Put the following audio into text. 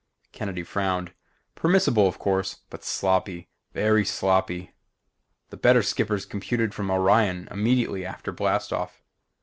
Kennedy frowned. Permissible of course, but sloppy, very sloppy. The better skippers computed from Orion immediately after blast off.